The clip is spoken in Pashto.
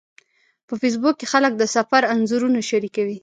په فېسبوک کې خلک د سفر انځورونه شریکوي